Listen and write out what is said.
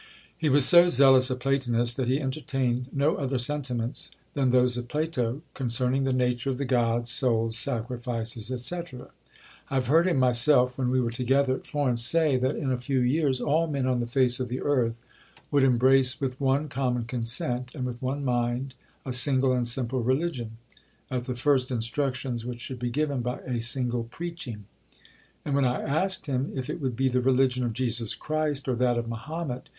He was so zealous a platonist that he entertained no other sentiments than those of Plato, concerning the nature of the gods, souls, sacrifices, &c. I have heard him myself, when we were together at Florence, say, that in a few years all men on the face of the earth would embrace with one common consent, and with one mind, a single and simple religion, at the first instructions which should be given by a single preaching. And when I asked him if it would be the religion of Jesus Christ, or that of Mahomet?